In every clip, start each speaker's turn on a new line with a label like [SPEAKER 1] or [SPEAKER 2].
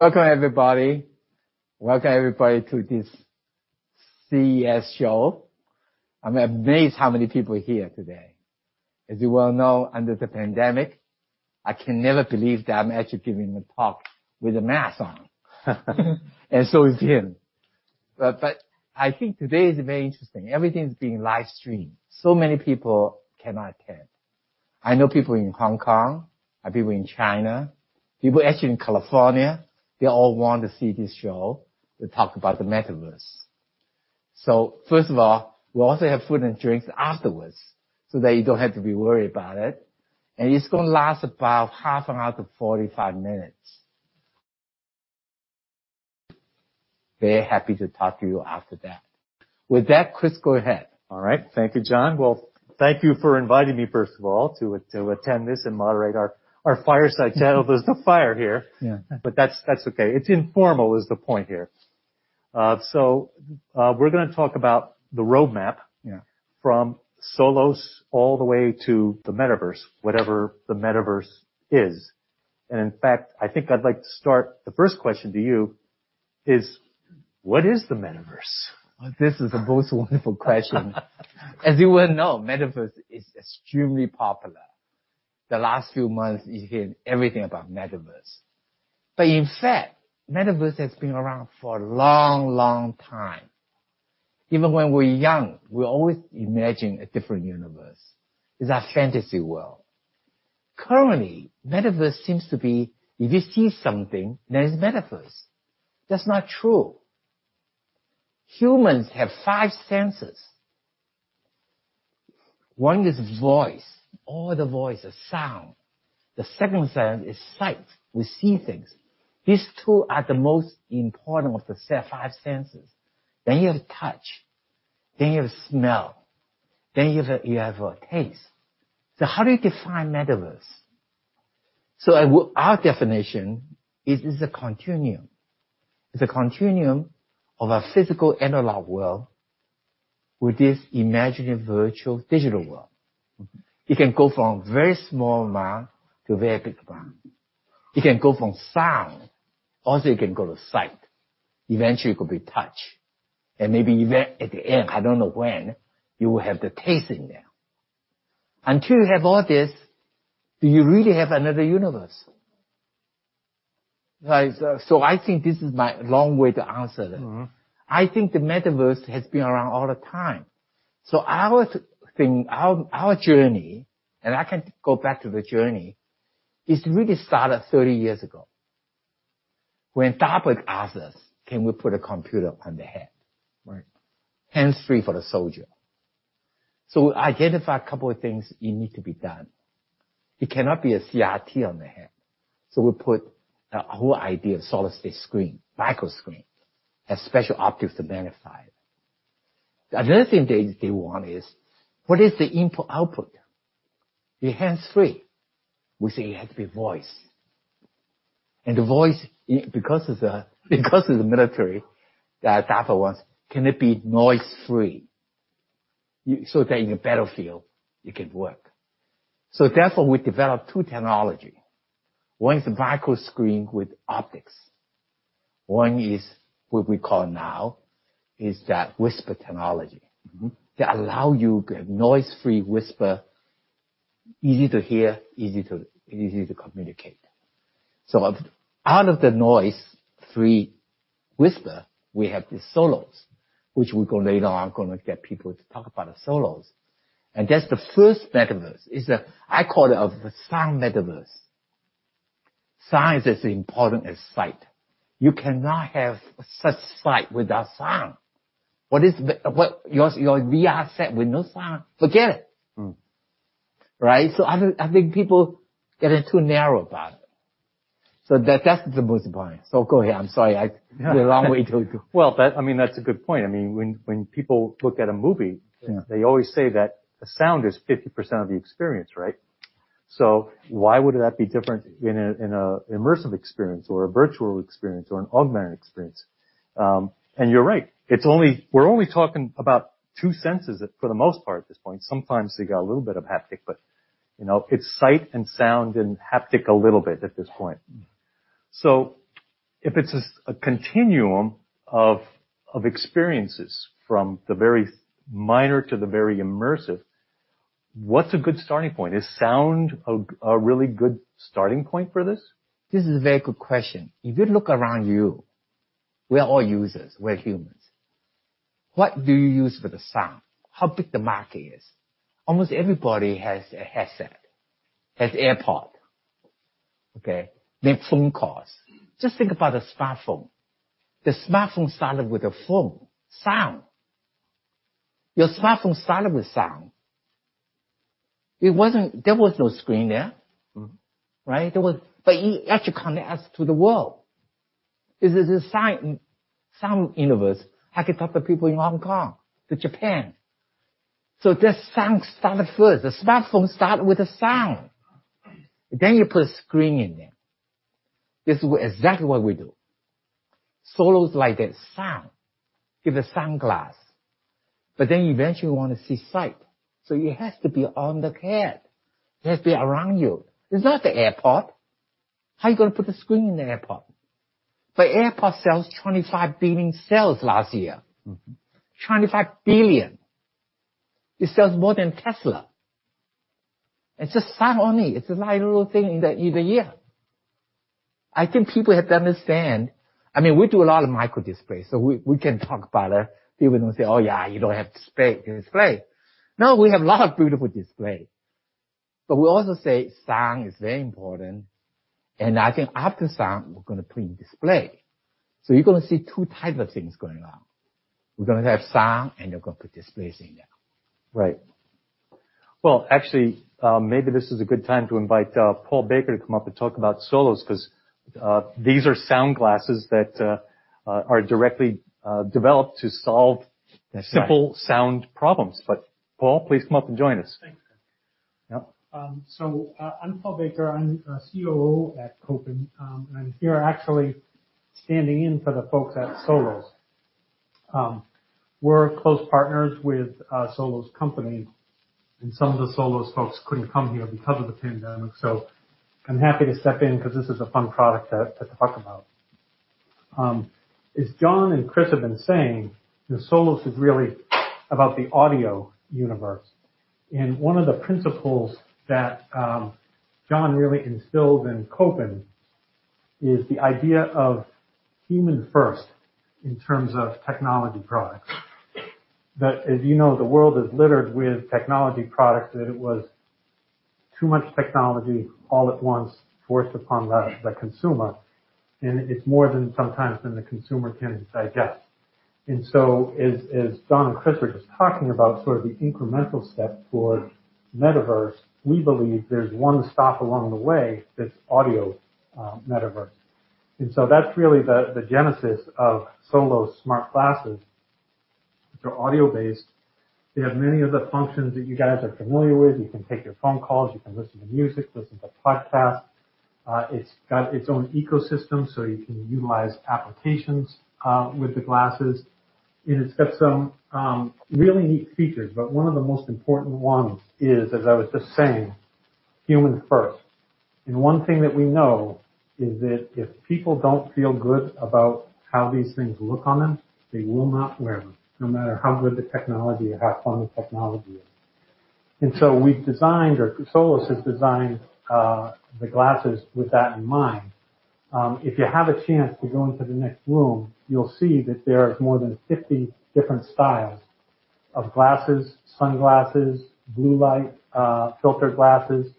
[SPEAKER 1] Welcome everybody. Welcome, everybody, to this CES show. I'm amazed at how many people are here today. As you well know, under the pandemic, I can never believe that I'm actually giving a talk with a mask on. So is he. I think today is very interesting. Everything's being live-streamed, so many people cannot attend. I know people in Hong Kong and people in China, people actually in California, they all want to see this show to talk about the Metaverse. First of all, we'll also have food and drinks afterwards, so that you don't have to be worried about it, and it's gonna last about half an hour to 45 minutes. I'm very happy to talk to you after that. With that, Chris, go ahead.
[SPEAKER 2] All right. Thank you, John. Well, thank you for inviting me, first of all, to attend this and moderate our fireside chat. There's no fire here.
[SPEAKER 1] Yeah.
[SPEAKER 2] That's okay. It's informal, is the point here. We're gonna talk about the roadmap.
[SPEAKER 1] Yeah...
[SPEAKER 2] from Solos all the way to the Metaverse. Whatever the Metaverse is. In fact, I think I'd like to start. The first question to you is, what is the Metaverse?
[SPEAKER 1] This is the most wonderful question. As you well know, the Metaverse is extremely popular. In the last few months, you have heard everything about the Metaverse. In fact, Metaverse has been around for a long, long time. Even when we're young, we always imagine a different universe. It's our fantasy world. Currently, Metaverse seems to be if you see something, then it's Metaverse. That's not true. Humans have five senses. One is voice. Audio voice, the sound. The second sense is sight. We see things. These two are the most important of the five senses. You have touch, then you have smell, then you have taste. How do you define Metaverse? Our definition is it's a continuum. It's a continuum of a physical analog world with this imaginative virtual digital world.
[SPEAKER 2] Mm-hmm.
[SPEAKER 1] It can go from very small amount to a very big amount. It can go from sound, also it can go to sight. Eventually, it could be touch. And maybe even at the end, I don't know when, you will have the taste in there. Until you have all this, do you really have another universe? Right. I think this is my long way to answer that.
[SPEAKER 2] Mm-hmm.
[SPEAKER 1] I think the Metaverse has been around all the time. Our thing, our journey, and I can go back to the journey that really started 30 years ago when DARPA asked us can we put a computer on the head.
[SPEAKER 2] Right.
[SPEAKER 1] Hands-free for the soldier. We identified a couple of things that need to be done. It cannot be a CRT on the head, so we put a whole idea of a solid-state screen, a micro screen, and special optics to magnify it. The other thing they want is what is the input, output? You're hands-free. We say it has to be voice. The voice, because of the military, DARPA wants, can it be noise-free so that on the battlefield it can work. That's why we developed two technologies. One is the micro screen with optics. One thing we call now is the Whisper Technology.
[SPEAKER 2] Mm-hmm.
[SPEAKER 1] That allows you to have a noise-free whisper, easy to hear, and easy to communicate. Out of the noise-free whisper, we have the Solos, which we're gonna later on get people to talk about the Solos. That's the first Metaverse. I call it a sound Metaverse. Sound is as important as sight. You cannot have such sight without sound. What is your VR set with no sound? Forget it.
[SPEAKER 2] Mm.
[SPEAKER 1] Right? I think people are getting too narrow about it. That's the most important. Go ahead. I'm sorry I-
[SPEAKER 2] No.
[SPEAKER 1] went a long way to
[SPEAKER 2] Well, I mean that's a good point. I mean, when people look at a movie.
[SPEAKER 1] Yeah
[SPEAKER 2] They always say that the sound is 50% of the experience, right? Why would that be different in an immersive experience, or a virtual experience or an augmented experience? You're right, we're only talking about two senses for the most part at this point. Sometimes they get a little bit of haptic, you know, it's sight and sound and haptic a little bit at this point.
[SPEAKER 1] Mm.
[SPEAKER 2] If it's a continuum of experiences from the very minor to the very immersive, what's a good starting point? Is sound a really good starting point for this?
[SPEAKER 1] This is a very good question. If you look around you, we are all users; we're humans. What do you use for the sound? How big is the market? Almost everybody has a headset, has AirPods, okay? Make phone calls. Just think about the smartphone. The smartphone started with a phone and sound. Your smartphone started with sound. There was no screen there.
[SPEAKER 2] Mm-hmm.
[SPEAKER 1] It actually connects us to the world. This is a sound universe. I can talk to people in Hong Kong and Japan. The sound started first. The smartphone started with the sound. You put a screen in there. This is exactly what we do. Solos like that sound. Give the sunglasses. You eventually want to see sight. It has to be on the head. It has to be around you. It's not the AirPods. How are you gonna put the screen in the AirPods? AirPods sold $25 billion last year.
[SPEAKER 2] Mm-hmm.
[SPEAKER 1] $25 billion. It sells more than Tesla. It's just sound only. It's a light little thing in the ear. I think people have to understand. I mean, we do a lot of microdisplay, so we can talk about it. People don't say, "Oh, yeah, you don't have a display." No, we have a lot of beautiful displays. We also say sound is very important. I think after sound, we're gonna put in display. You're gonna see two types of things going on. We're gonna have sound, and you're gonna put displays in there.
[SPEAKER 2] Right. Well, actually, maybe this is a good time to invite Paul Baker to come up and talk about Solos, 'cause these are smart glasses that are directly developed to solve-
[SPEAKER 1] Yes.
[SPEAKER 2] Paul, please come up and join us.
[SPEAKER 3] Thanks.
[SPEAKER 2] Yep.
[SPEAKER 3] I'm Paul Baker. I'm COO at Kopin. I'm here, actually, standing in for the folks at Solos. We're close partners with Solos Company, and some of the Solos folks couldn't come here because of the pandemic, so I'm happy to step in 'cause this is a fun product to talk about. As John and Chris have been saying, the Solos is really about the audio universe. One of the principles that John really instilled in Kopin is the idea of human first in terms of technology products that, as you know, the world is littered with technology products that are too much technology all at once, forcing upon the consumer, and it's more sometimes than the consumer can digest. As John and Chris were just talking about sort of the incremental step toward Metaverse, we believe there's one stop along the way that's the audio Metaverse. That's really the genesis of Solos smart glasses. They're audio-based. They have many of the functions that you guys are familiar with. You can take your phone calls. You can listen to music, or listen to podcasts. It's got its own ecosystem, so you can utilize applications with the glasses. It's got some really neat features, but one of the most important ones is, as I was just saying, human first. One thing that we know is that if people don't feel good about how these things look on them, they will not wear them, no matter how good the technology or how fun the technology is. We've designed, or Solos has designed, the glasses with that in mind. If you have a chance to go into the next room, you'll see that there are more than 50 different styles of glasses, sunglasses, and blue light filter glasses.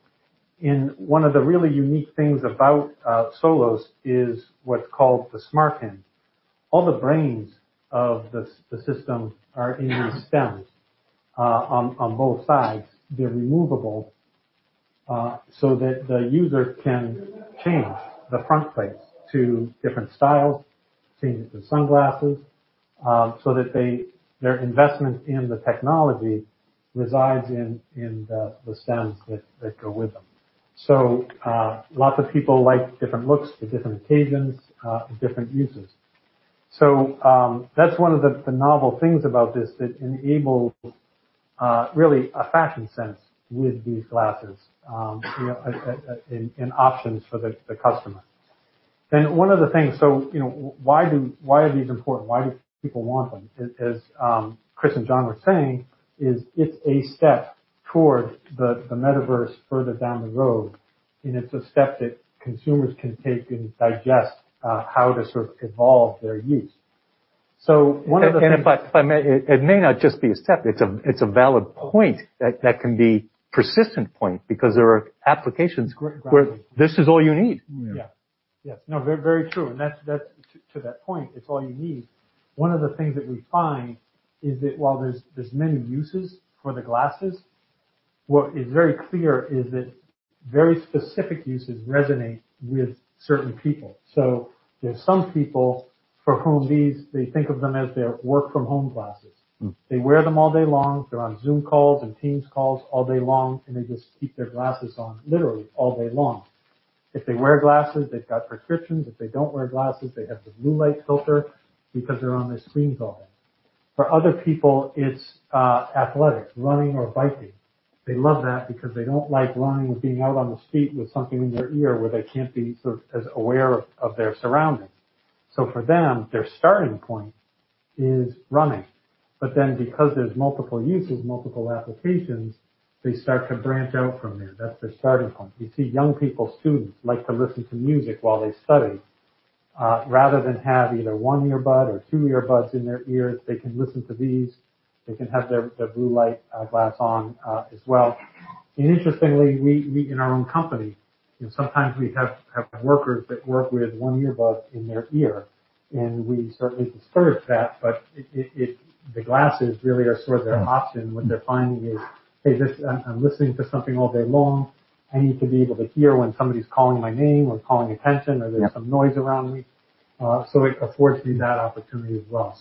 [SPEAKER 3] One of the really unique things about Solos is what's called the SmartHinge. All the brains of the system are in these stems on both sides. They're removable, so that the user can change the front plates to different styles, and change the sunglasses, so that their investment in the technology resides in the stems that go with them. Lots of people like different looks for different occasions, different uses. That's one of the novel things about this that enables a fashion sense with these glasses, you know, in options for the customer. One of the things you know why these are important? Why do people want them? As Chris and John were saying is it's a step toward the Metaverse further down the road, and it's a step that consumers can take and digest how to sort of evolve their use. One of the things
[SPEAKER 2] If I may, it may not just be a step. It's a valid point that can be a persistent point because there are applications.
[SPEAKER 3] Exactly.
[SPEAKER 2] where this is all you need.
[SPEAKER 1] Yeah.
[SPEAKER 3] Yes. No, very true. That's to that point, it's all you need. One of the things that we find is that while there's many uses for the glasses, what is very clear is that very specific uses resonate with certain people. There's some people for whom these they think of them as their work-from-home glasses.
[SPEAKER 2] Mm.
[SPEAKER 3] They wear them all day long. They're on Zoom calls and Teams calls all day long, and they just keep their glasses on literally all day long. If they wear glasses, they've got prescriptions. If they don't wear glasses, they have the blue light filter because they're on their screens all day. For other people, it's athletics, running, or biking. They love that because they don't like running or being out on the street with something in their ear where they can't be sort of as aware of their surroundings. For them, their starting point is running. Then, because there's multiple uses, multiple applications, they start to branch out from there. That's their starting point. You see, young people, students like to listen to music while they study. Rather than have either one earbud or two earbuds in their ears, they can listen to these. They can have their blue light glasses on as well. Interestingly, we in our own company, you know, sometimes we have workers that work with one earbud in their ear, and we certainly discourage that. The glasses really are sort of their own option. What they're finding is, "Hey, this, I'm listening to something all day long. I need to be able to hear when somebody's calling my name or calling attention.
[SPEAKER 2] Yeah.
[SPEAKER 3] Or there's some noise around me. It affords you that opportunity as well.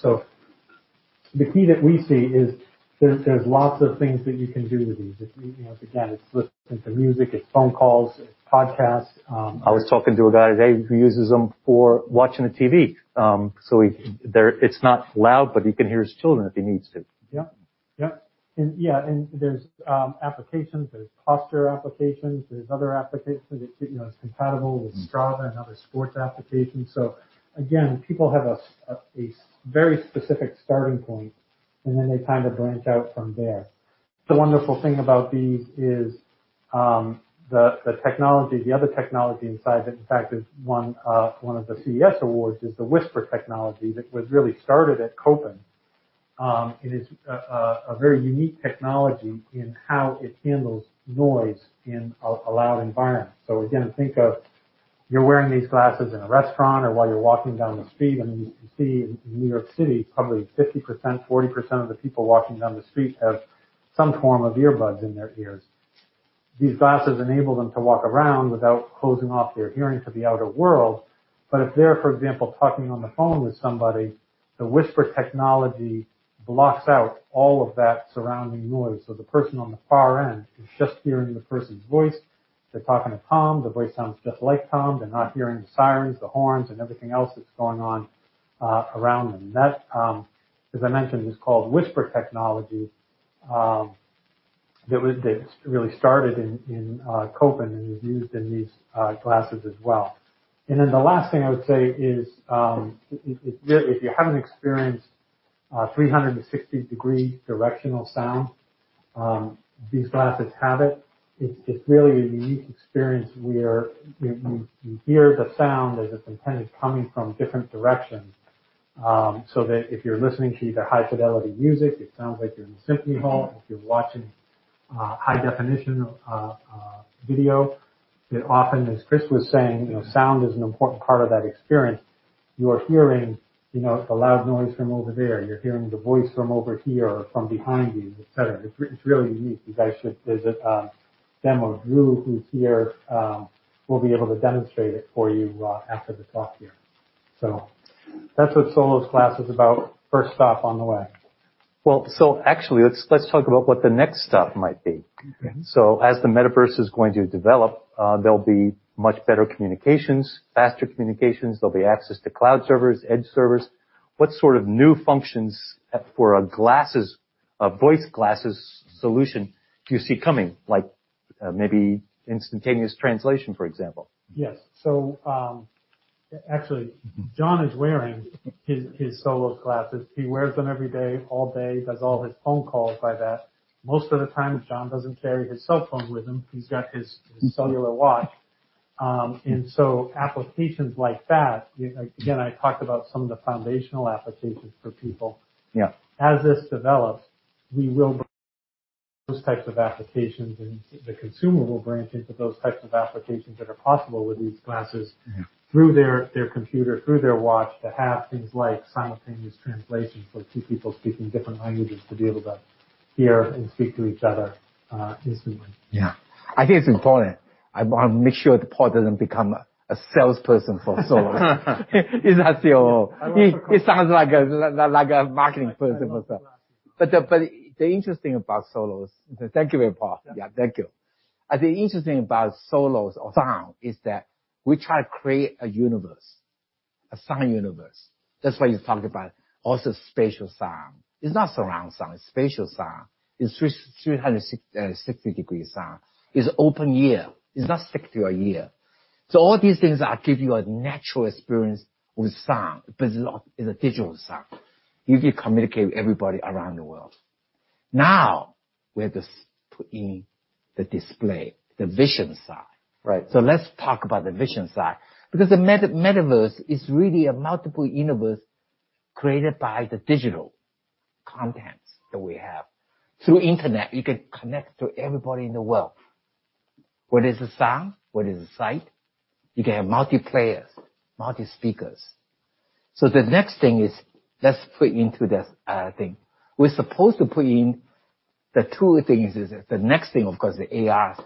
[SPEAKER 3] The key that we see is there. There's lots of things that you can do with these. If you know, again, it's listening to music, it's phone calls, it's podcasts.
[SPEAKER 1] I was talking to a guy today who uses them for watching TV. It's not loud, but he can hear his children if he needs to.
[SPEAKER 3] Yeah. Yep. Yeah, there's applications, there's posture applications, there's other applications that, you know, are compatible with.
[SPEAKER 1] Mm-hmm.
[SPEAKER 3] Strava and other sports applications. Again, people have a very specific starting point, and then they kind of branch out from there. The wonderful thing about these is the technology, the other technology inside that, in fact, is one of the CES awards, is the Whisper Technology that was really started at Kopin. It is a very unique technology in how it handles noise in a loud environment. Again, think of you wearing these glasses in a restaurant or while you're walking down the street. I mean, you can see in New York City, probably 50%, 40% of the people walking down the street have some form of earbuds in their ears. These glasses enable them to walk around without closing off their hearing to the outer world. If they're, for example, talking on the phone with somebody, the Whisper Technology blocks out all of that surrounding noise, so the person on the far end is just hearing the person's voice. They're talking to Tom; the voice sounds just like Tom. They're not hearing the sirens, the horns, and everything else that's going on around them. That, as I mentioned, is called Whisper Technology, which really started in Kopin and is used in these glasses as well. The last thing I would say is, if you haven't experienced 360-degree directional sound, these glasses have it. It's really a unique experience where you hear the sound as it's intended coming from different directions, so that if you're listening to high fidelity music, it sounds like you're in a symphony hall. If you're watching a video, it often, as Chris was saying, you know, sound is an important part of that experience. You are hearing, you know, the loud noise from over there. You're hearing the voice from over here or from behind you, et cetera. It's really unique. You guys should visit a demo. Drew, who's here, will be able to demonstrate it for you after the talk here. That's what Solos glasses are about. First stop on the way.
[SPEAKER 2] Well, actually, let's talk about what the next stop might be.
[SPEAKER 3] Okay.
[SPEAKER 2] As the Metaverse develops, there'll be much better communications, faster communications, there'll be access to cloud servers, and edge servers. What sort of new functions for AR glasses, a voice glasses solution, do you see coming? Like, maybe instantaneous translation, for example.
[SPEAKER 3] Yes. Actually
[SPEAKER 1] Mm-hmm.
[SPEAKER 3] John is wearing his Solos glasses. He wears them every day, all day, and does all his phone calls by that. Most of the time, John doesn't carry his cell phone with him. He's got his cellular watch. Applications like that, again, I talked about some of the foundational applications for people.
[SPEAKER 1] Yeah.
[SPEAKER 3] As this develops, we will see those types of applications, and the consumer will branch into those types of applications that are possible with these glasses.
[SPEAKER 1] Yeah.
[SPEAKER 3] through their computer, through their watch, to have things like simultaneous translations for two people speaking different languages, to be able to hear and speak to each other, instantly.
[SPEAKER 1] Yeah. I think it's important. I wanna make sure that Paul doesn't become a salesperson for Solos. He's not the CEO. He sounds like a marketing person or so. The interesting thing about Solos. Thank you, Paul. Yeah, thank you. The interesting thing about Solos or sound is that we try to create a universe, a sound universe. That's why I also talked about spatial sound. It's not surround sound, it's spatial sound. It's 360-degree sound. It's open ear. It's not stuck to your ear. So all these things give you a natural experience with sound, but it's not. It's a digital sound. You can communicate with everybody around the world. Now we have to put in the display, the vision side.
[SPEAKER 3] Right.
[SPEAKER 1] Let's talk about the vision side, because the metaverse is really a multiple universe created by the digital contents that we have. Through the internet, you can connect to everybody in the world. Whether it's the sound, whether it's the sight, you can have multiple players, multiple speakers. The next thing is let's put it into this thing. We're supposed to put in the two things, which is the next thing, of course, the AR,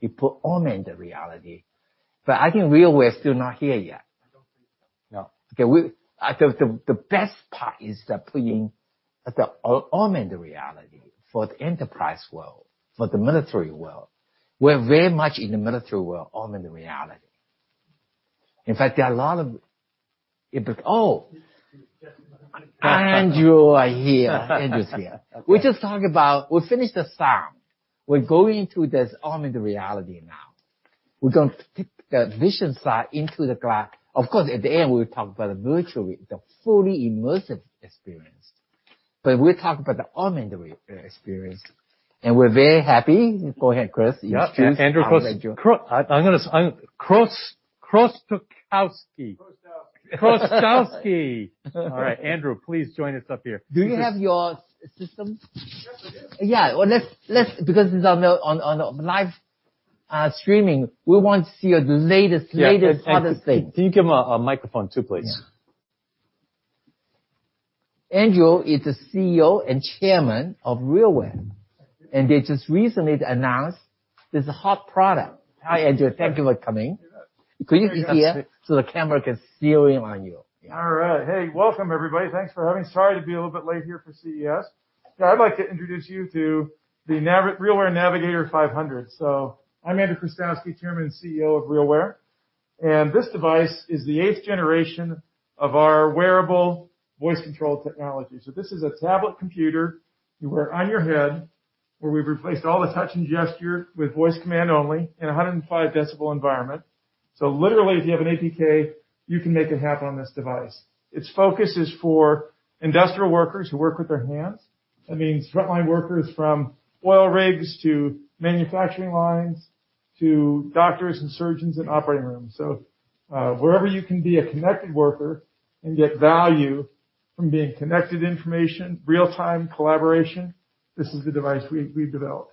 [SPEAKER 1] you put augmented reality. I think we're still not here yet.
[SPEAKER 3] No.
[SPEAKER 1] Okay. The best part is that putting the augmented reality for the enterprise world, for the military world. We're very much in the military world, augmented reality. In fact, there are a lot of them. But oh-
[SPEAKER 3] Just one second.
[SPEAKER 1] Andrew's here.
[SPEAKER 3] Okay.
[SPEAKER 1] We just talked about the sound. We finished the sound. We're going into this augmented reality now. We're going to take the vision side into the glass. Of course, at the end, we'll talk about the fully immersive experience. We're talking about the augmented reality experience, and we're very happy. Go ahead, Chris. Introduce Andrew.
[SPEAKER 3] Yeah. Andrew Chrostowski.
[SPEAKER 4] Chrostowski.
[SPEAKER 2] Chrostowski. All right. Andrew, please join us up here.
[SPEAKER 1] Do you have your system?
[SPEAKER 4] Yes, I do. Yeah. Well, let's, because this is on a live stream, we want to see the latest.
[SPEAKER 3] Yeah.
[SPEAKER 1] Latest of this thing.
[SPEAKER 3] Can you give him a microphone too, please?
[SPEAKER 1] Yeah. Andrew is the CEO and Chairman of RealWear. They just recently announced this hot product. Hi, Andrew. Thank you for coming.
[SPEAKER 4] Yes.
[SPEAKER 1] Could you sit here so the camera can zero in on you?
[SPEAKER 4] All right. Hey. Welcome everybody. Thanks for having me. Sorry to be a little bit late here for CES. I'd like to introduce you to the RealWear Navigator 500. I'm Andrew Chrostowski, Chairman and CEO of RealWear, and this device is the eighth generation of our wearable voice control technology. This is a tablet computer you wear on your head, where we've replaced all the touch and gesture with voice command only in a 105 decibel environment. Literally, if you have an APK, you can make it happen on this device. Its focus is on industrial workers who work with their hands. That means front-line workers from oil rigs to manufacturing lines to doctors and surgeons in operating rooms. Wherever you can be a connected worker and get value from being connected to information, real-time collaboration, this is the device we've developed.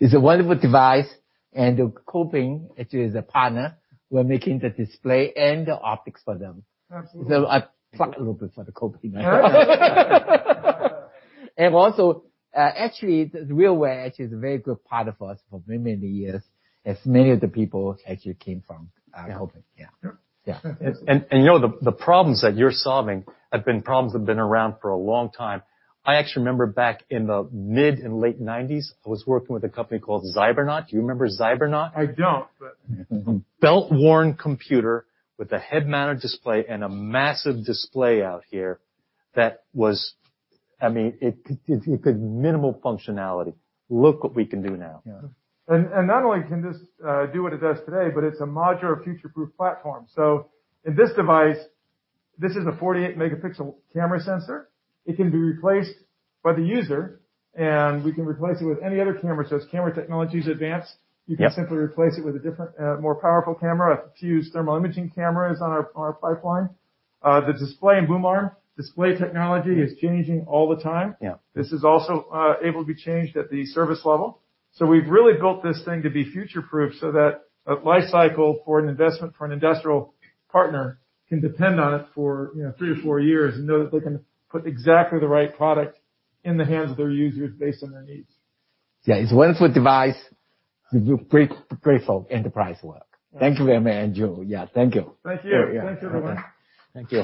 [SPEAKER 1] It's a wonderful device, and Kopin, which is a partner, we're making the display and the optics for them.
[SPEAKER 4] Absolutely.
[SPEAKER 1] I plug a little bit for the Kopin.
[SPEAKER 4] Yeah.
[SPEAKER 1] Actually, RealWear has been a very good partner for us for many, many years, as many of the people actually came from Kopin.
[SPEAKER 4] Yeah.
[SPEAKER 1] Yeah. Yeah.
[SPEAKER 2] You know the problems that you're solving have been problems that have been around for a long time. I actually remember back in the mid and late 90s, I was working with a company called Xybernaut. Do you remember Xybernaut?
[SPEAKER 4] I don't, but.
[SPEAKER 2] A belt-worn computer with a head-mounted display and a massive display out here. I mean, minimal functionality. Look what we can do now.
[SPEAKER 4] Yeah. Not only can this do what it does today, but it's a modular, future-proof platform. In this device, there is a 48-megapixel camera sensor. It can be replaced by the user, and we can replace it with any other camera. As camera technologies advance-
[SPEAKER 2] Yeah.
[SPEAKER 4] You can simply replace it with a different, more powerful camera. A fused thermal imaging camera is in our pipeline. The display and boom arm display technology is changing all the time.
[SPEAKER 2] Yeah.
[SPEAKER 4] This is also able to be changed at the service level. We've really built this thing to be future-proof so that a life cycle for an investment for an industrial partner can depend on it for, you know, three to four years, and know that they can put exactly the right product in the hands of their users based on their needs.
[SPEAKER 1] Yeah. It's a wonderful device for your great folk, enterprise work.
[SPEAKER 4] Yeah.
[SPEAKER 1] Thank you very much, Andrew. Yeah. Thank you.
[SPEAKER 4] Thank you.
[SPEAKER 1] Yeah, yeah.
[SPEAKER 4] Thank you, everyone.
[SPEAKER 1] Thank you.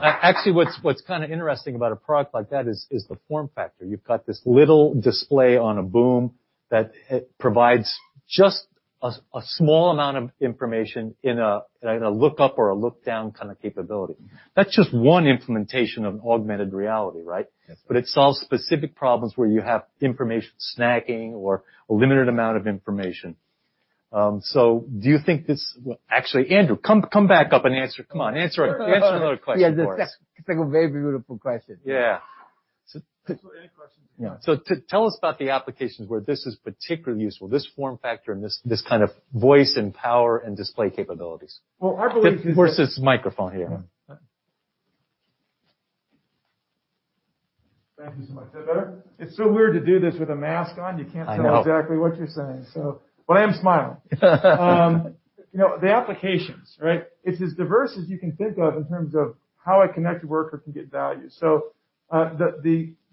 [SPEAKER 2] Actually, what's kind of interesting about a product like that is the form factor. You've got this little display on a boom that provides just a small amount of information in a look-up or a look-down kind of capability. That's just one implementation of augmented reality, right?
[SPEAKER 4] Yes.
[SPEAKER 2] It solves specific problems where you have information snagging or a limited amount of information. Do you think this? Well, actually, Andrew, come back up and answer. Come on, answer another question for us.
[SPEAKER 1] Yeah, that's a, it's like a very beautiful question.
[SPEAKER 2] Yeah.
[SPEAKER 4] Any questions, yeah.
[SPEAKER 2] Tell us about the applications where this is particularly useful, this form factor, and this kind of voice, power, and display capabilities?
[SPEAKER 4] Well, I believe.
[SPEAKER 2] Of course, this microphone here.
[SPEAKER 4] Thank you so much. Is that better? It's so weird to do this with a mask on.
[SPEAKER 2] I know.
[SPEAKER 4] You can't tell exactly what you're saying. I am smiling. You know, the applications, right? It's as diverse as you can think of in terms of how a connected worker can get value.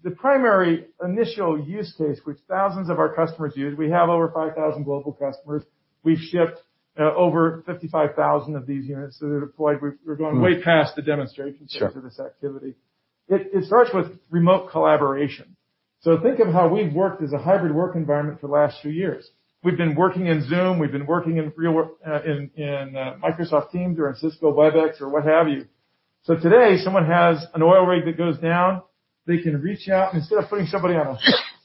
[SPEAKER 4] The primary initial use case that thousands of our customers use, we have over 5,000 global customers. We've shipped over 55,000 of these units that are deployed. We're going way past the demonstration.
[SPEAKER 2] Sure.
[SPEAKER 4] Stage of this activity. It starts with remote collaboration. Think of how we've worked in a hybrid work environment for the last few years. We've been working in Zoom, we've been working in RealWear, in Microsoft Teams, or in Cisco Webex, or what have you. Today, if someone has an oil rig that goes down, they can reach out, and instead of putting somebody on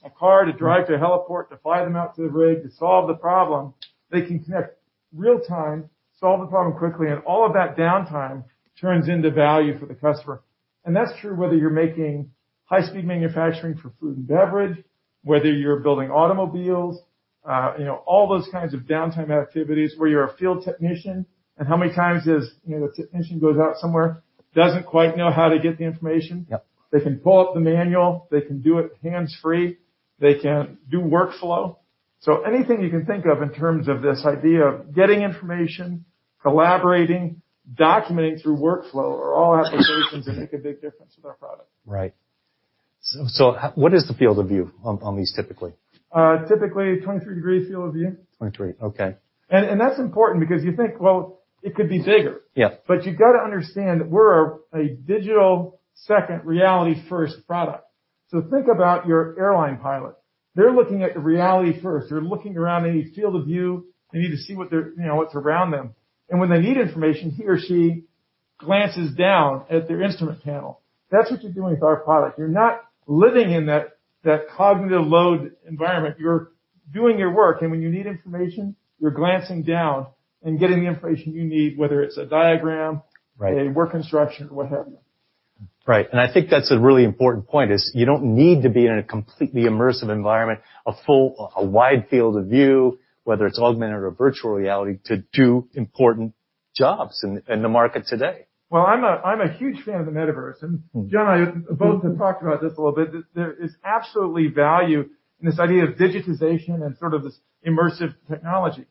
[SPEAKER 4] a car to drive to a heliport to fly them out to the rig to solve the problem, they can connect in real time, solve the problem quickly, and all of that downtime turns into value for the customer. That's true whether you're making high-speed manufacturing for food and beverage, whether you're building automobiles, you know, all those kinds of downtime activities where you're a field technician. How many times does, you know, the technician go out somewhere, and doesn't quite know how to get the information?
[SPEAKER 2] Yeah.
[SPEAKER 4] They can pull up the manual. They can do it hands-free. They can do workflow. Anything you can think of in terms of this idea of getting information, collaborating, documenting through workflow, is an ,applications that make a big difference with our product.
[SPEAKER 2] Right. What is the field of view on these typically?
[SPEAKER 4] Typically, a 23-degree field of view.
[SPEAKER 2] 23. Okay.
[SPEAKER 4] That's important because you think, well, it could be bigger.
[SPEAKER 2] Yeah.
[SPEAKER 4] You've got to understand that we're a digital second, reality-first product. Think about your airline pilot. They're looking at the reality first. They're looking around in his field of view. They need to see what they're, you know, what's around them. When they need information, he or she glances down at their instrument panel. That's what you're doing with our product. You're not living in that cognitive load environment. You're doing your work, and when you need information, you're glancing down and getting the information you need, whether it's a diagram.
[SPEAKER 2] Right.
[SPEAKER 4] A work instruction or what have you.
[SPEAKER 2] Right. I think that's a really important point, that you don't need to be in a completely immersive environment, a full, wide field of view, whether it's augmented or virtual reality, to do important jobs in the market today.
[SPEAKER 4] Well, I'm a huge fan of the Metaverse, and John and I have both have talked about this a little bit, that there is absolutely value in this idea of digitization and sort of this immersive technology.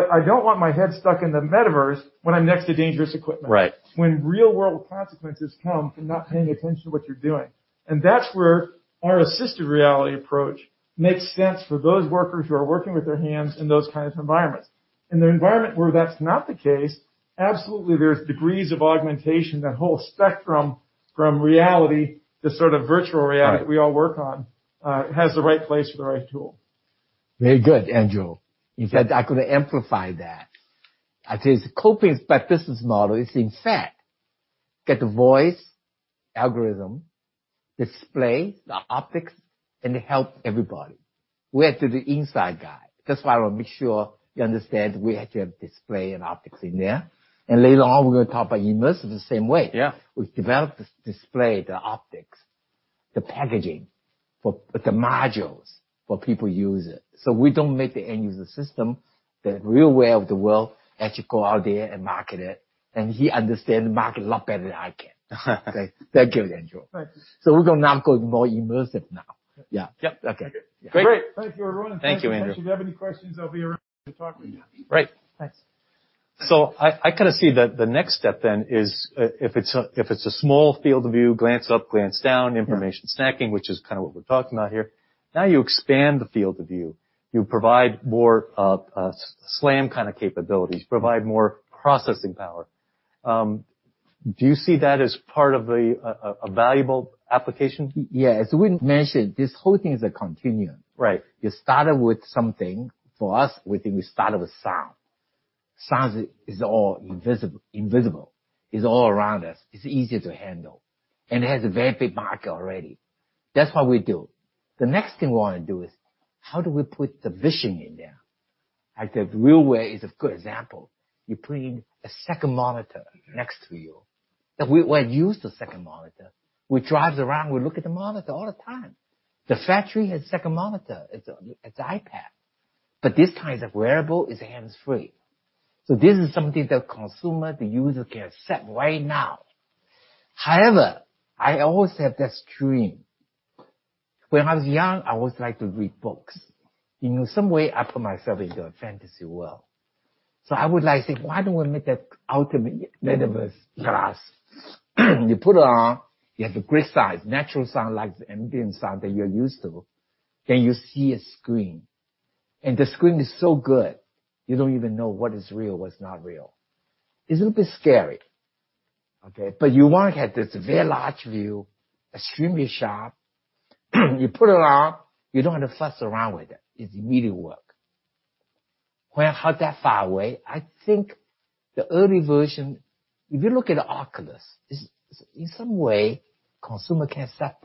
[SPEAKER 4] I don't want my head stuck in the Metaverse when I'm next to dangerous equipment.
[SPEAKER 1] Right.
[SPEAKER 4] When real-world consequences come from not paying attention to what you're doing. That's where our assisted reality approach makes sense for those workers who are working with their hands in those kinds of environments. In the environment where that's not the case, absolutely, there's degrees of augmentation. That whole spectrum from reality to sort of virtual reality.
[SPEAKER 1] Right.
[SPEAKER 4] We all work in the right place for the right tool.
[SPEAKER 1] Very good, Andrew. In fact, I could amplify that. I'd say that a Kopin fabless model is, in fact, to get the voice algorithm, display the optics, and help everybody. We have the Kopin Inside guide. That's why I wanna make sure you understand we had to have display and optics in there. Later on, we're gonna talk about immersive the same way.
[SPEAKER 4] Yeah.
[SPEAKER 1] We've developed this display, the optics, the packaging, with the modules for people to use it. So we don't make the end-user system. RealWear actually goes out there and markets it, and he understands the market a lot better than I can. Okay. Thank you, Andrew. Thanks. So we're gonna go more immersive now. Yeah.
[SPEAKER 4] Yep. Okay. Thank you. Great. Thank you, everyone.
[SPEAKER 1] Thank you, Andrew.
[SPEAKER 4] If you have any questions, I'll be around to talk with you.
[SPEAKER 1] Right. Thanks. I kind of see the next step, then is if it's a small field of view, glance up, glance down. Yeah. Information snacking, which is kind of what we're talking about here. Now you expand the field of view. You provide more SLAM kind of capabilities, and provide more processing power. Do you see that as part of a valuable application? Yeah. As we mentioned, this whole thing is a continuum.
[SPEAKER 2] Right.
[SPEAKER 1] You started with something. For us, we think we started with sound. Sound is all invisible. It's all around us. It's easier to handle, and it has a very big market already. That's what we do. The next thing we wanna do is, how do we put the vision in there? Like, the real way is a good example. You put in a second monitor next to you, which we use the second monitor. We drive around, and we look at the monitor all the time. The factory has a second monitor. It's an iPad. But this time it's a wearable, it's hands-free. This is something the consumer, the user, can accept right now. However, I always have that dream. When I was young, I always liked to read books. In some way, I put myself into a fantasy world. I would like to say, "Why don't we make that ultimate Metaverse glass?" You put it on, you have the great sound, natural sound like the ambient sound that you're used to, then you see a screen, and the screen is so good you don't even know what is real, what's not real. It's a little bit scary, okay? You wanna have this very large view, extremely sharp. You put it on, you don't have to fuss around with it. It immediately works. Well, how far away that is, I think the early version, if you look at the Oculus, is in some way something that consumers can accept.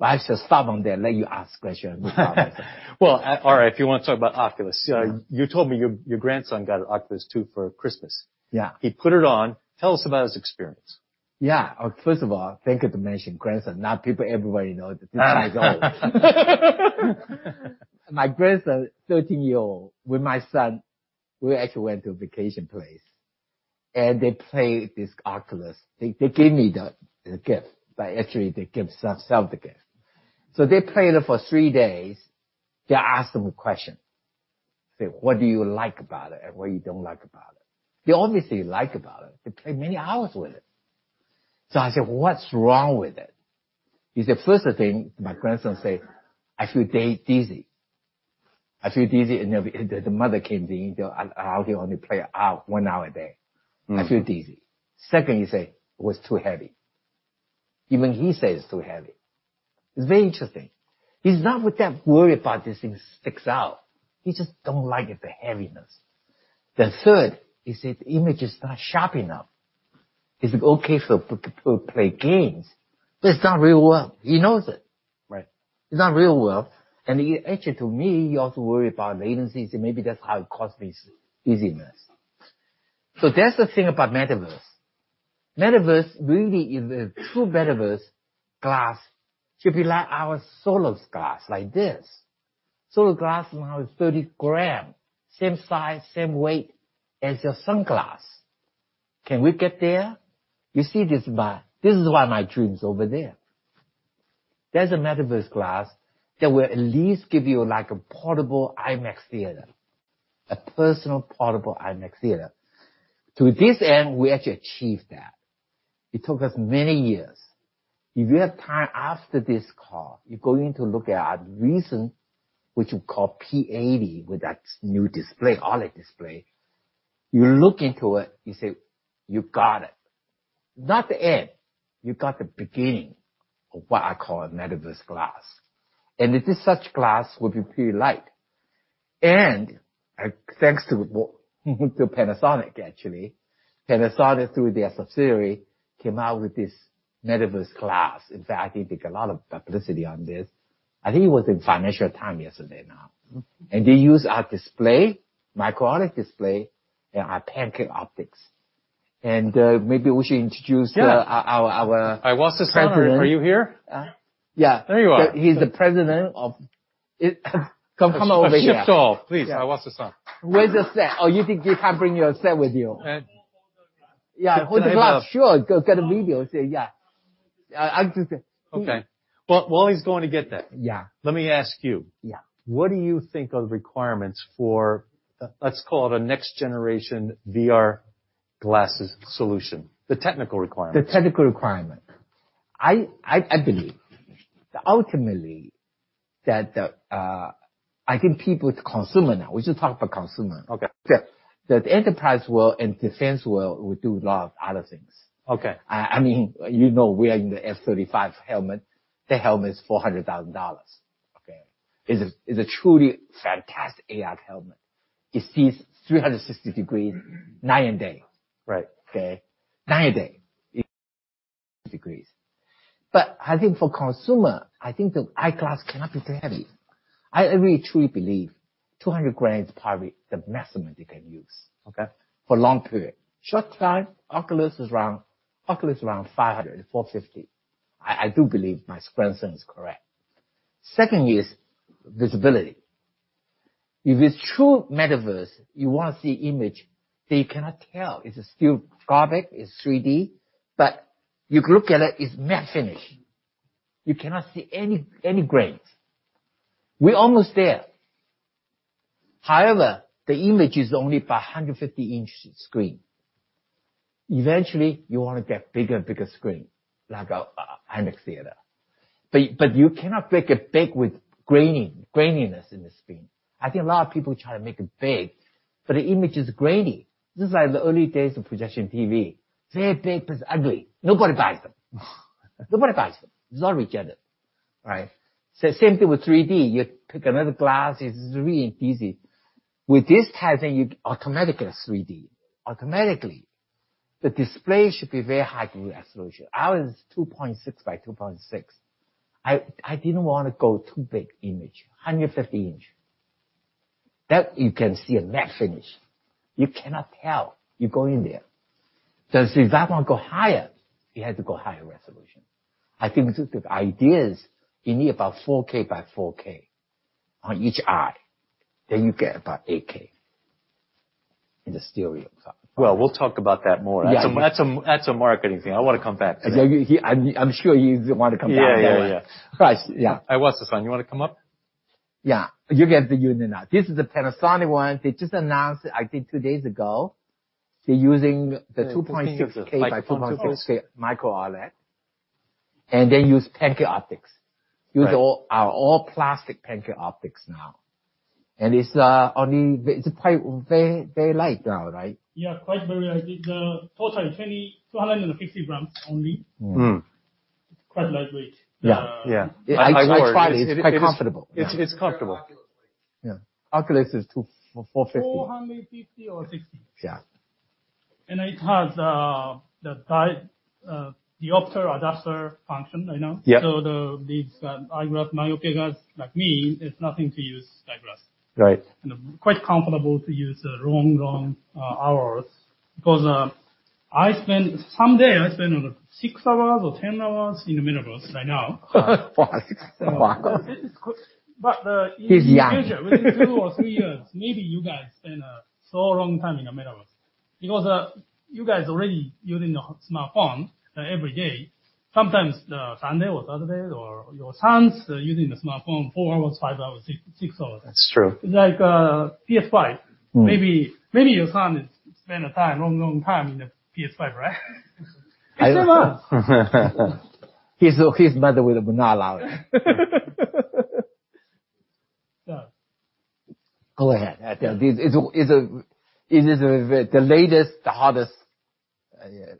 [SPEAKER 1] I should stop there and let you ask a question and move on. Well, all right, if you wanna talk about Oculus. You told me your grandson got an Oculus 2 for Christmas. Yeah. He put it on. Tell us about his experience. Yeah. First of all, thank you for mentioning my grandson. Now everybody knows that he's old. My grandson, 13 years old, and my son, we actually went to a vacation place, and they played this Oculus. They gave me the gift, but actually, they gave themselves the gift. They played it for three days. They asked him a question, "What do you like about it, and what don't you like about it?" They obviously liked it. They played for many hours with it. I said, "What's wrong with it?" He said, "First thing," my grandson said, "I feel dizzy." The mother came in, I allowed him to play for only one hour a day. "I feel dizzy." Second, he say it was too heavy. It's very interesting. He's not that worried about this thing sticking out. He just doesn't like it, the heaviness. The third is that the image is not sharp enough. It's okay to play games, but it's not the real world. He knows it.
[SPEAKER 2] Right.
[SPEAKER 1] It's not the real world. Actually, to me, he also worries about latency, so maybe that's how it caused this dizziness. That's the thing about Metaverse. Metaverse really is a true Metaverse. Glass should be like our Solos glass, like this. Solos glass now is 30 g. Same size, same weight as your sunglasses. Can we get there? You see this. This is one of my dreams over there. There's a Metaverse glass that will at least give you like a portable IMAX theater, a personal portable IMAX theater. To this end, we actually achieved that. It took us many years. If you have time after this call, you're going to look at our recent, which we call P80, with that new display, OLED display. You look into it, you say, "You got it." Not the end. You got the beginning of what I call a Metaverse glass. This is such glass will be pretty light. Thanks to Panasonic actually, Panasonic through their subsidiary came out with this Metaverse glass. In fact, they take a lot of publicity on this. I think it was in Financial Times yesterday now. Mm-hmm. They use our display, micro OLED display, and our pancake optics. Maybe we should introduce.
[SPEAKER 2] Yeah.
[SPEAKER 1] Our Iwasa-san, are you here?
[SPEAKER 2] Yeah.
[SPEAKER 1] There you are. He's the president of... Come over here. Iwasa-san, please. Iwasa-san. Where's your set? Oh, you didn't have time to bring your set with you. Yeah. If you're not sure, go get a video and say yeah. I just said-
[SPEAKER 2] Okay. Well, while he's going to get that.
[SPEAKER 1] Yeah.
[SPEAKER 2] Let me ask you.
[SPEAKER 1] Yeah.
[SPEAKER 2] What do you think are the requirements for, let's call it a next generation VR glasses solution? The technical requirements.
[SPEAKER 1] The technical requirement. I believe ultimately I think people want consumer now. We should talk about consumer.
[SPEAKER 2] Okay.
[SPEAKER 1] The enterprise world and defense world will do a lot of other things.
[SPEAKER 2] Okay.
[SPEAKER 1] I mean, you know, wearing the F-35 helmet, the helmet's $400,000.
[SPEAKER 2] Okay.
[SPEAKER 1] It is a truly fantastic AR helmet. It sees 360 degrees night and day.
[SPEAKER 2] Right.
[SPEAKER 1] Okay? Night and day. Degrees. I think for consumers, I think the eyeglasses cannot be too heavy. I really, truly believe 200 grams is probably the maximum they can use, okay? For a long period. Short time, Oculus is around 500, 450. I do believe my assumption is correct. Second is visibility. If it's a true Metaverse, you wanna see an image that you cannot tell is a still graphic, it's 3D, but it looks like at it's matte finish. You cannot see any grains. We're almost there. However, the image is only about a 150-inch screen. Eventually, you wanna get a bigger and bigger screen, like an IMAX theater. You cannot make it big with graining, graininess in the screen. I think a lot of people try to make it big, but the image is grainy. This is like the early days of projection TV. Very big, but it's ugly. Nobody buys them. It's all rejected, right? Same thing with 3D. You pick another glass; it's really easy. With this type, you automatically get 3D. Automatically. The display should be very high resolution. Ours is 2.6K x 2.6K. I didn't wanna go too big an image. 150-inch. That you can see a matte finish. You cannot tell you go in there. But if I wanna go higher, you have to go higher resolution. I think the idea is, you need about 4K x 4K on each eye, then you get about 8K in the stereo side.
[SPEAKER 2] Well, we'll talk about that more.
[SPEAKER 1] Yeah.
[SPEAKER 2] That's a marketing thing. I wanna come back to that.
[SPEAKER 1] I'm sure you wanna come back.
[SPEAKER 2] Yeah.
[SPEAKER 1] Right. Yeah.
[SPEAKER 2] Hey, what's the son? You wanna come up?
[SPEAKER 1] Yeah. You get the unit now. This is the Panasonic one. They just announced, I think, two days ago. They're using the 2.6K by 2.6K.
[SPEAKER 2] Micro OLED.
[SPEAKER 1] They use pancake optics.
[SPEAKER 2] Right.
[SPEAKER 1] It's all plastic pancake optics now. It's quite very light now, right?
[SPEAKER 5] Yeah. Quite very light. The total is 2,250 g only.
[SPEAKER 1] Mm-hmm.
[SPEAKER 5] It's quite lightweight.
[SPEAKER 1] Yeah. I tried it. It's quite comfortable.
[SPEAKER 2] It's comfortable.
[SPEAKER 1] Yeah. Quest two is $450.
[SPEAKER 5] $450 or $460.
[SPEAKER 1] Yeah.
[SPEAKER 5] It has the diopter adjuster function, you know?
[SPEAKER 1] Yeah.
[SPEAKER 5] These eyeglasses, myopia users like me, it's nothing to use eyeglasses.
[SPEAKER 1] Right.
[SPEAKER 5] Quite comfortable to use long hours because I spend some days over six hours or 10 hours in the Metaverse right now.
[SPEAKER 1] Why? Why?
[SPEAKER 5] It is good.
[SPEAKER 1] He's young.
[SPEAKER 5] In the future, within two or three years, maybe you guys spend so long time in the Metaverse. You guys already using the smartphone every day, sometimes Sunday or Saturday or your sons are using the smartphone four hours, five hours, six hours.
[SPEAKER 2] That's true.
[SPEAKER 5] Like, PS5.
[SPEAKER 2] Mm.
[SPEAKER 5] Maybe your son is spend the time, long time in the PS5, right?
[SPEAKER 1] I don't-
[SPEAKER 5] His son was.
[SPEAKER 1] His mother would not allow it.
[SPEAKER 5] Yeah.
[SPEAKER 1] I think this is the latest, the hottest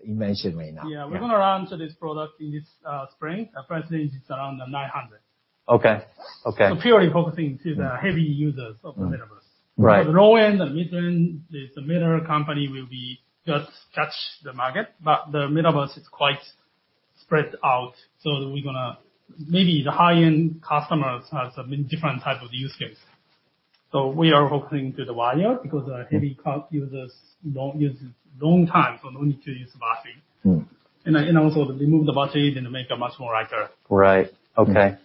[SPEAKER 1] invention right now.
[SPEAKER 5] Yeah. We're gonna launch this product in this spring. Our first release is around $900.
[SPEAKER 1] Okay. Okay.
[SPEAKER 5] Purely focusing on the heavy users of the Metaverse.
[SPEAKER 1] Right.
[SPEAKER 5] The low-end, the mid-end, and the middle company will just touch the market. The Metaverse is quite spread out. We're gonna maybe the high-end customers have a different type of use case. We are focusing on the wire, because our heavy users don't use it for a long time, there's no need to use the battery.
[SPEAKER 1] Mm.
[SPEAKER 5] You know, remove the battery, then make it much lighter.
[SPEAKER 2] Right. Okay.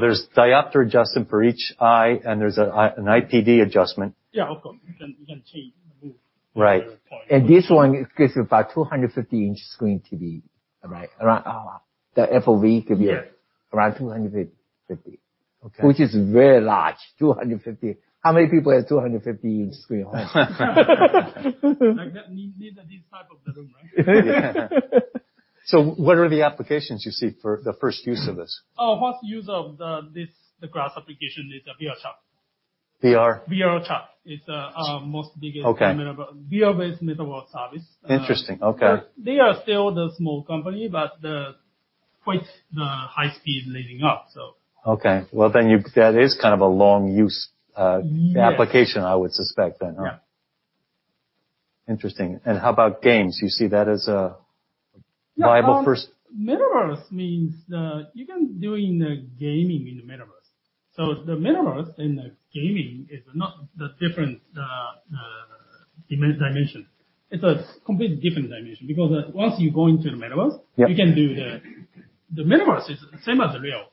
[SPEAKER 2] There's a diopter adjustment for each eye, and there's an IPD adjustment.
[SPEAKER 5] Yeah, of course. You can change and move.
[SPEAKER 2] Right.
[SPEAKER 1] This one gives you about a 250-inch screen TV. Right? Around the FOV could be.
[SPEAKER 5] Yes.
[SPEAKER 1] -around 250.
[SPEAKER 2] Okay.
[SPEAKER 1] Which is very large. 250. How many people have a 250-inch screen at home?
[SPEAKER 5] Like that, this type of room, right?
[SPEAKER 2] What are the applications you see for the first use of this?
[SPEAKER 5] The first use of the glass application is VRChat.
[SPEAKER 2] VR?
[SPEAKER 5] VRChat is our biggest.
[SPEAKER 2] Okay.
[SPEAKER 5] Metaverse, a VR-based Metaverse service.
[SPEAKER 2] Interesting. Okay.
[SPEAKER 5] They are still a small company, but quite the high-speed leading up, so.
[SPEAKER 2] Okay. Well, that is kind of a long use.
[SPEAKER 5] Yes.
[SPEAKER 2] I would suspect then.
[SPEAKER 5] Yeah.
[SPEAKER 2] Interesting. How about games? You see that as a viable first?
[SPEAKER 5] Metaverse means that you can do in the gaming in the Metaverse. The Metaverse and gaming is not different dimension. It's a completely different dimension because once you go into the Metaverse.
[SPEAKER 2] Yeah.
[SPEAKER 5] The Metaverse is the same as the real.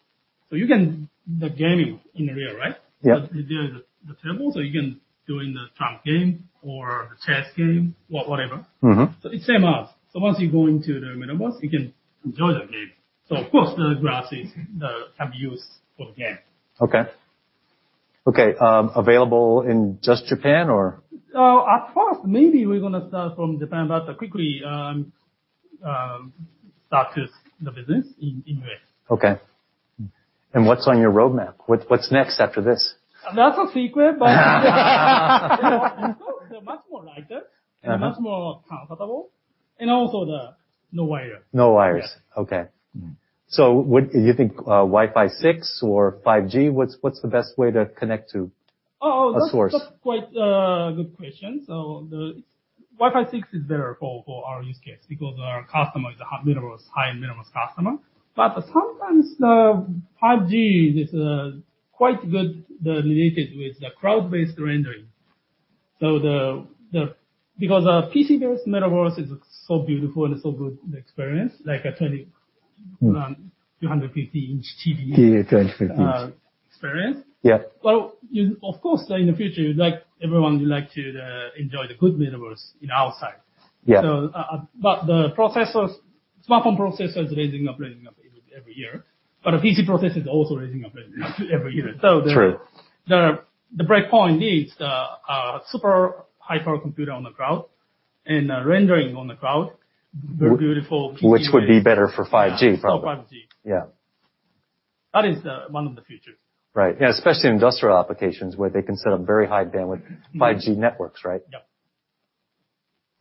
[SPEAKER 5] The gaming in the real, right?
[SPEAKER 1] Yeah.
[SPEAKER 5] There is a table, so you can do in the trump game or the chess game or whatever.
[SPEAKER 1] Mm-hmm.
[SPEAKER 5] Once you go into the Metaverse, you can enjoy the game. Of course, the glasses have use for the game.
[SPEAKER 1] Okay. Okay, available only in Japan or?
[SPEAKER 5] At first, maybe we're gonna start from Japan, but quickly start the business in the U.S.
[SPEAKER 1] Okay. What's on your roadmap? What's next after this?
[SPEAKER 5] That's a secret, but they're much lighter.
[SPEAKER 1] Okay.
[SPEAKER 5] Much more comfortable. Also the, no wire.
[SPEAKER 1] No wires.
[SPEAKER 5] Yeah.
[SPEAKER 1] What do you think, Wi-Fi 6 or 5G, what's the best way to connect to?
[SPEAKER 5] Oh.
[SPEAKER 1] a source?
[SPEAKER 5] That's quite a good question. Wi-Fi 6 is better for our use case because our customer is a high Metaverse customer. But sometimes the 5G is quite good, related to the cloud-based rendering. Because a PC-based Metaverse is so beautiful and such a good experience, like a 250-inch TV.
[SPEAKER 1] TV 250-inch.
[SPEAKER 5] experience.
[SPEAKER 1] Yeah.
[SPEAKER 5] Well, of course, in the future, you'd like everyone would like to enjoy the good Metaverse outside.
[SPEAKER 1] Yeah.
[SPEAKER 5] The processors, smartphone processors are rising up every year, but PC processor is also rising up every year.
[SPEAKER 1] True.
[SPEAKER 5] The breakpoint needs a super high-power computer on the cloud and a rendering on the cloud, very beautiful PC.
[SPEAKER 1] Which would be better for 5G, probably.
[SPEAKER 5] Yeah. 5G.
[SPEAKER 1] Yeah.
[SPEAKER 5] That is one of the features.
[SPEAKER 1] Right. Yeah, especially in industrial applications where they can set up very high bandwidth 5G networks, right?
[SPEAKER 5] Yeah.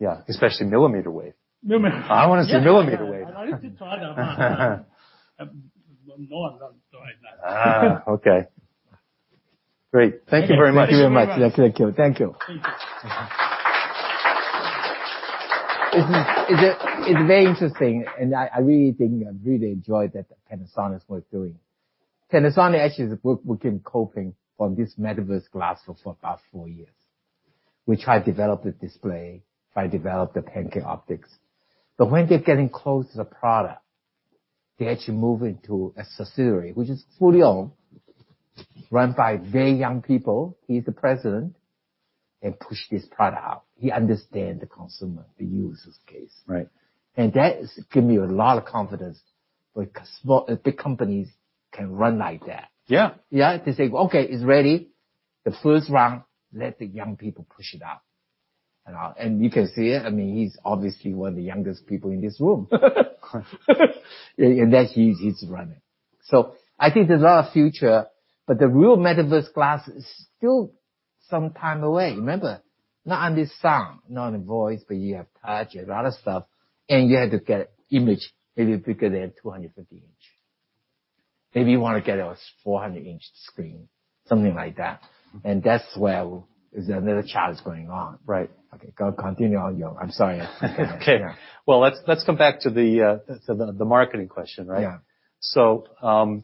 [SPEAKER 1] Yeah. Especially the millimeter wave.
[SPEAKER 5] Millimeter.
[SPEAKER 1] I wanna see millimeter wave.
[SPEAKER 5] I need to try that one. No one has tried that.
[SPEAKER 1] Okay. Great. Thank you very much.
[SPEAKER 5] Thank you very much. Thank you. Thank you.
[SPEAKER 1] It's very interesting, and I really think I enjoy what Panasonic was doing. Panasonic actually has been a good working Kopin for this Metaverse glass for about four years. We try to develop the display and the pancake optics. When they're getting close to the product, they actually move into a subsidiary, which is fully owned and run by very young people. He's the president, and he pushes this product out. He understands the consumer, the use case.
[SPEAKER 2] Right.
[SPEAKER 1] That gives me a lot of confidence, like, big companies can run like that.
[SPEAKER 2] Yeah.
[SPEAKER 1] Yeah. They say, "Okay, it's ready. The first round, let the young people push it out." You know, you can see it. I mean, he's obviously one of the youngest people in this room. That he's running. I think there's a lot of future, but the real Metaverse glass is still some time away. Remember, not only sound, not only voice, but you have touch and a lot of stuff, and you have to get an image maybe bigger than 250-inches. Maybe you wanna get a 400-inch screen, something like that. That's where there's another challenge going on.
[SPEAKER 2] Right.
[SPEAKER 1] Okay. Go, continue on, Yo. I'm sorry.
[SPEAKER 2] Okay. Well, let's come back to the marketing question, right?
[SPEAKER 1] Yeah.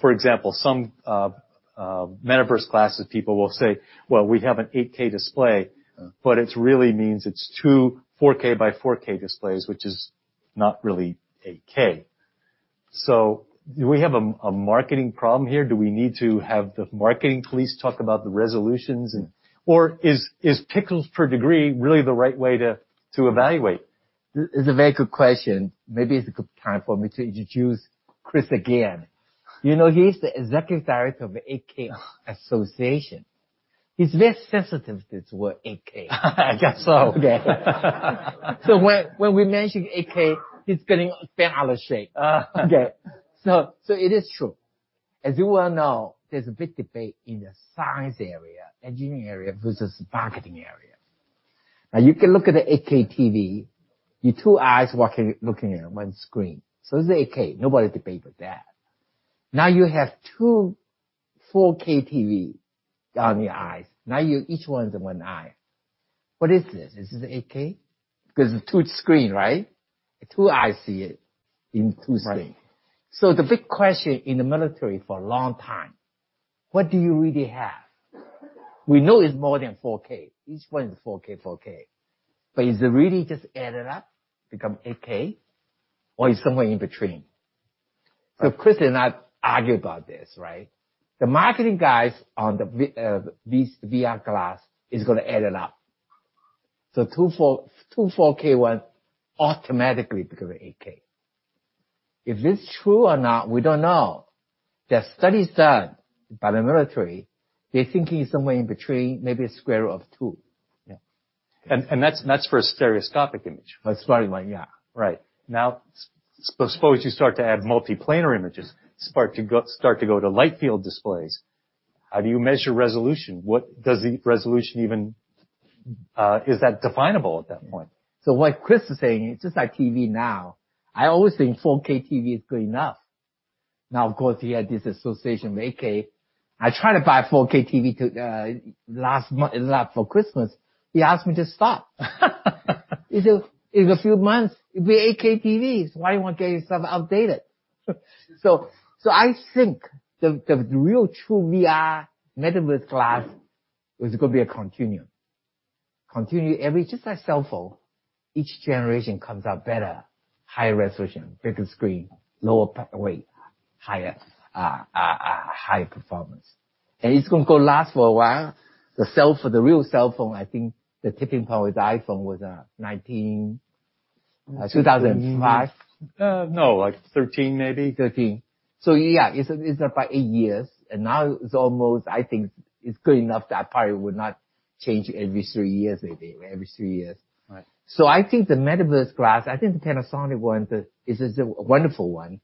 [SPEAKER 2] For example, some Metaverse glasses people will say, "Well, we have an 8K display," but it really means it's two 4K by 4K displays, which is not really 8K. Do we have a marketing problem here? Do we need to have the marketing police talk about the resolutions, or is pixels per degree really the right way to evaluate?
[SPEAKER 1] It's a very good question. Maybe it's a good time for me to introduce Chris again. You know, he's the executive director of 8K Association. He's very sensitive to this word, 8K.
[SPEAKER 2] I guess so.
[SPEAKER 1] Okay. When we mention 8K, he's getting bent out of shape.
[SPEAKER 2] Oh, okay.
[SPEAKER 1] It is true. As you well know, there's a big debate in the science area, the engineering area, versus the marketing area. Now you can look at the 8K TV with your two eyes, looking at one screen. It's 8K. Nobody debates with that. Now, you have two 4K TV on your eyes. Now your each one is in one eye. What is this? Is this 8K? Because it's two screens, right? Two eyes see it in two screens.
[SPEAKER 2] Right.
[SPEAKER 1] The big question in the military for a long time. What do you really have? We know it's more than 4K. Each one is 4K. But is it really just added up to become 8K, or is it somewhere in between? Chris and I argue about this, right? The marketing guys on the VR, these VR glasses are gonna add it up. Two 4K automatically become 8K. If it's true or not, we don't know. There are studies done by the military; they're thinking somewhere in between, maybe a square of two.
[SPEAKER 2] Yeah. That's for a stereoscopic image.
[SPEAKER 1] That's right.
[SPEAKER 2] Like, yeah. Right. Now, suppose you start to add multiplanar images, and start to go to light field displays. How do you measure resolution? What does the resolution even mean? Is that definable at that point?
[SPEAKER 1] What Chris is saying is just like TV now. I always think 4K TV is good enough. Now, of course, he had this association with 8K. I tried to buy 4K TV last month for Christmas. He asked me to stop. He said, "In a few months, it'll be 8K TVs. Why you wanna get yourself outdated?" I think the real true VR Metaverse glass is gonna be a continuum. Just like cell phones, each generation comes out better, higher resolution, bigger screen, lower weight, higher performance. It's gonna last for a while. The real cell phone, I think the tipping point with the iPhone was 19, 2005?
[SPEAKER 2] No, like 13 maybe.
[SPEAKER 1] 13. Yeah, it's about eight years, and now it's almost. I think it's good enough that probably would not change every three years, maybe every three years.
[SPEAKER 2] Right.
[SPEAKER 1] I think the Metaverse glass. I think the Panasonic one is a wonderful one,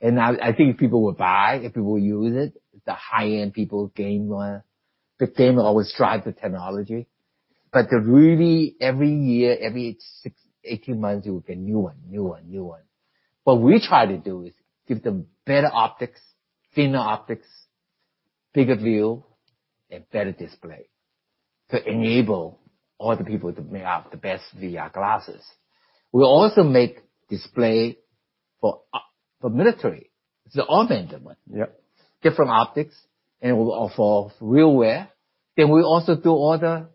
[SPEAKER 1] and I think people will buy it, and people will use it. The high-end people are gamers. The gamer always drives the technology. Really, every year, every six, 18 months, you will get a new one. What we try to do is give them better optics, thinner optics, bigger view, and better display to enable all the people to make up the best VR glasses. We also make displays for the military. It's the augmented one.
[SPEAKER 2] Yep.
[SPEAKER 1] Different optics for RealWear. We also do all the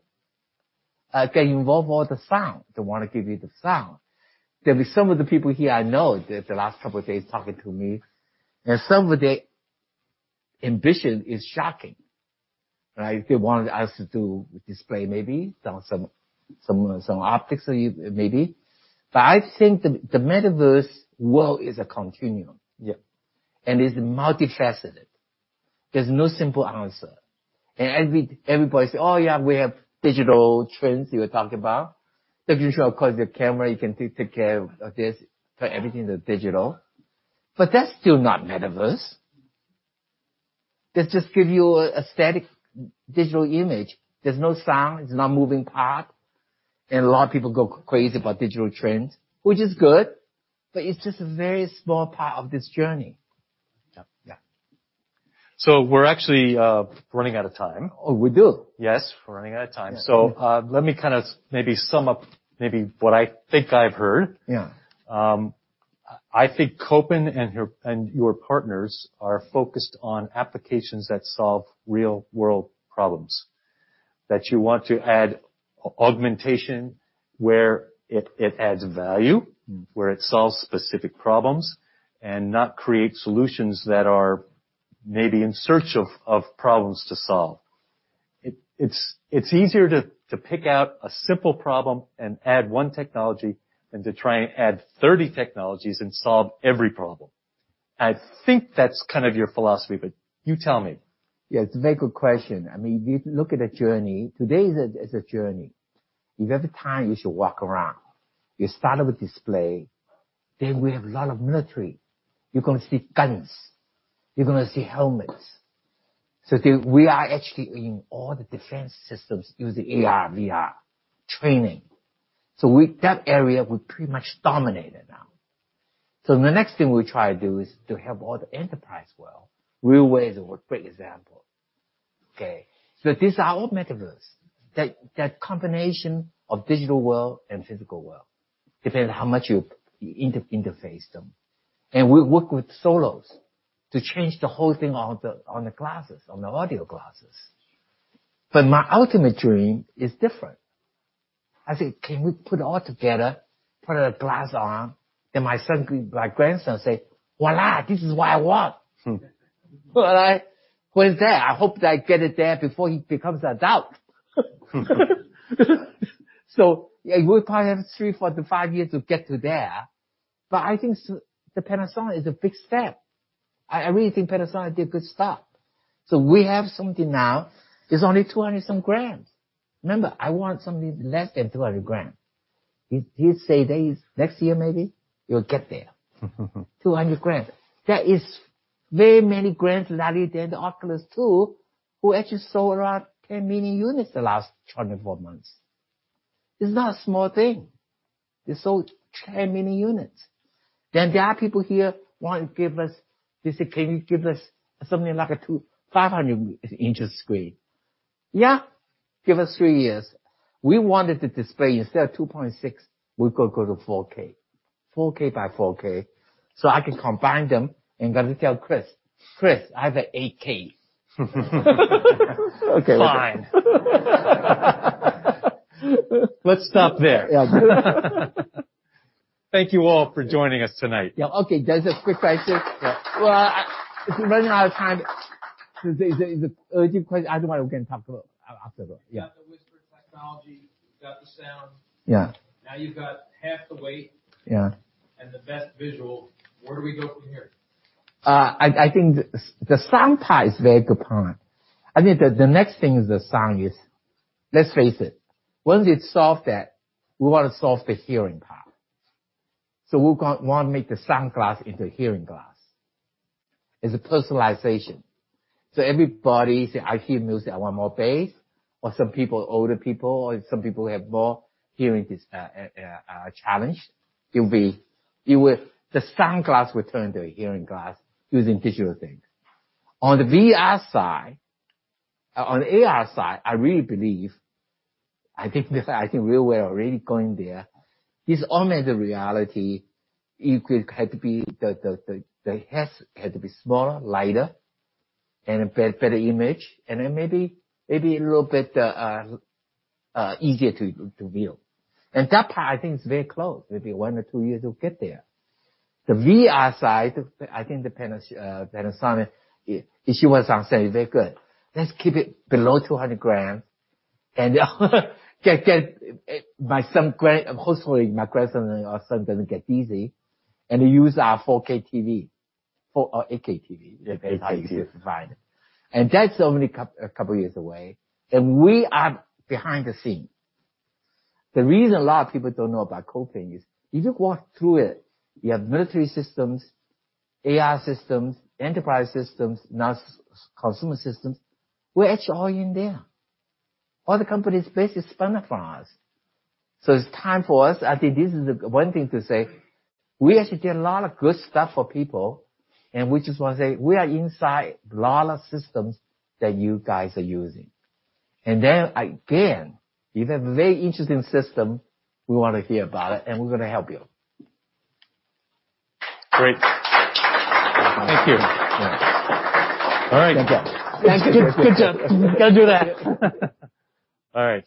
[SPEAKER 1] mics and all the sound, the one I give you, the sound. There'll be some of the people here I know, the last couple of days talking to me, and some of their ambitions are shocking. Right. They want us to do a display, maybe. Some optics, maybe. I think the Metaverse world is a continuum.
[SPEAKER 2] Yeah.
[SPEAKER 1] It's multifaceted. There's no simple answer. Everybody says, "Oh, yeah, we have digital twins you were talking about." The future, of course, the camera you can take care of this, turn everything to digital. But that's still not Metaverse. That just gives you a static digital image. There's no sound. It's not a moving part. A lot of people go crazy about digital twins, which is good, but it's just a very small part of this journey.
[SPEAKER 2] Yeah.
[SPEAKER 1] Yeah.
[SPEAKER 2] We're actually running out of time.
[SPEAKER 1] Oh, we do?
[SPEAKER 2] Yes, we're running out of time.
[SPEAKER 1] Yeah.
[SPEAKER 2] Let me kind of maybe sum up maybe what I think I've heard.
[SPEAKER 1] Yeah.
[SPEAKER 2] I think Kopin and your partners are focused on applications that solve real-world problems, and you want to add augmentation where it adds value.
[SPEAKER 1] Mm.
[SPEAKER 2] It solves specific problems and does not create solutions that are maybe in search of problems to solve. It's easier to pick out a simple problem and add one technology than to try to add 30 technologies and solve every problem. I think that's kind of your philosophy, but you tell me.
[SPEAKER 1] Yeah, it's a very good question. I mean, if you look at a journey, today is a journey. If you have the time, you should walk around. You started with the display, and then we have a lot of military. You're gonna see guns, you're gonna see helmets. We are actually in all the defense systems using AR and VR training. That area, we pretty much dominate now. The next thing we try to do is to help the entire enterprise world. RealWear is a great example. Okay? These are all Metaverse. That combination of the digital world and the physical world depends on how much you interface them. We work with Solos to change the whole thing on the glasses, on the audio glasses. My ultimate dream is different. I say, "Can we put it all together? Put a glass on." My grandson says, "Voilà, this is what I want." All right? When's that? I hope that I get it there before he becomes an adult. It will probably have three, four to five years to get to there, but I think the Panasonic is a big step. I really think Panasonic did a good stuff. We have something now that's only 200-some grams. Remember, I want something less than 200 g. He says that next year, maybe, we'll get there. 200 g. That is very many grams lighter than the Quest 2, which actually sold around 10 million units over the last 24 months. It's not a small thing. They sold 10 million units. There are people here who want to give us, they say, "Can you give us something like a 2,500-inch screen?" Yeah. Give us three years. We wanted the display to 2.6, we go to 4K. 4K by 4K. So I can combine them and gonna tell Chris, "Chris, I have an 8K.
[SPEAKER 2] Okay.
[SPEAKER 1] Fine.
[SPEAKER 2] Let's stop there.
[SPEAKER 1] Yeah.
[SPEAKER 2] Thank you all for joining us tonight.
[SPEAKER 3] Yeah. Okay, just a quick question. Well, we're running out of time. Is there a question? I don't wanna again talk about it after. Yeah. You've got the Whisper Technology. You've got the sound.
[SPEAKER 1] Yeah.
[SPEAKER 3] Now you've got half the weight.
[SPEAKER 1] Yeah.
[SPEAKER 3] The best visual. Where do we go from here?
[SPEAKER 1] I think the sound part is a very good point. I think the next thing is the sound, let's face it, once we solve that, we wanna solve the hearing part. We wanna make the sunglasses into hearing glasses. It's a personalization. Everybody says, "I hear music, I want more bass." Or some people, older people, or some people who have more hearing challenges, it will be. The sunglasses will turn into hearing glasses using digital technology. On the VR side, on the AR side, I really believe. I think this, I think we were already going there. It's only the reality. It could have to be that the headset had to be smaller, lighter, and have a better image, and then maybe a little bit easier to view. That part, I think, is very close, maybe one or two years, it'll get there. The VR side, I think the Panasonic is very good. Let's keep it below 200 g, and hopefully my grandson or son doesn't get dizzy, and use our 4K TV. 4K, or 8K TV.
[SPEAKER 2] 8K TV.
[SPEAKER 1] If they can provide it. That's only a couple of years away. We are behind the scenes. The reason a lot of people don't know about Kopin is that if you walk through it, you have military systems, AI systems, enterprise systems, and now consumer systems. We're actually all in there. Other companies basically spin it for us. It's time for us, I think this is one thing to say, we actually did a lot of good stuff for people, and we just wanna say, we are inside a lot of systems that you guys are using. Then again, if you have a very interesting system, we wanna hear about it, and we're gonna help you.
[SPEAKER 2] Great. Thank you.
[SPEAKER 1] Yeah.
[SPEAKER 2] All right.
[SPEAKER 1] Goo d job.
[SPEAKER 2] Good job. Got to do that. All right.